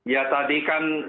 ya tadi kan